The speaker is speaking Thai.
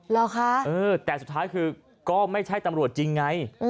เหรอคะแต่สุดท้ายคือก็ไม่ใช่ตำรวจจริงไง